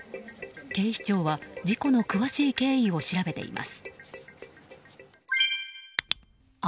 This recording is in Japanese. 警視庁は事故の詳しい経緯を調べています。